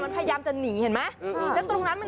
มันพยายามจะหนีเห็นไหม